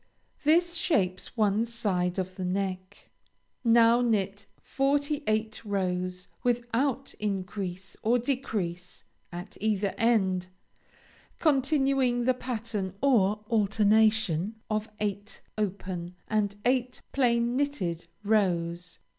This shapes one side of the neck. Now knit forty eight rows without increase or decrease at either end, continuing the pattern or alternation of eight open and eight plain knitted rows.